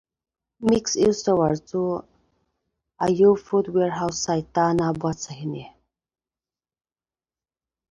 A mixed-use tower is planned for the Ayoob Fruit Warehouse site.